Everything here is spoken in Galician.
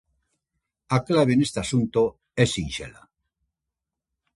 A clave neste asunto é sinxela.